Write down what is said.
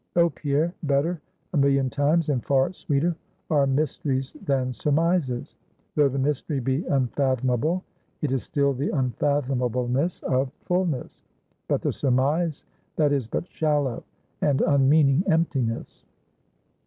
Oh, Pierre, better, a million times, and far sweeter are mysteries than surmises: though the mystery be unfathomable, it is still the unfathomableness of fullness; but the surmise, that is but shallow and unmeaning emptiness."